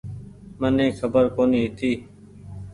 مني کبر ڪونيٚ هيتي ۔